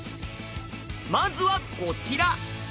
まずはこちら。